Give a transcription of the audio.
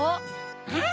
うん！